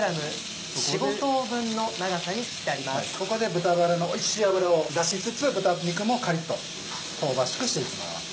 ここで豚バラのおいしい脂を出しつつ豚肉もカリっと香ばしくしていきます。